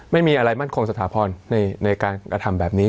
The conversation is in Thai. ไม่มีอะไรมั่นคงสถาพรในการกระทำแบบนี้